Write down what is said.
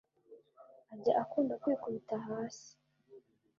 ajya akunda Kwikubita hasi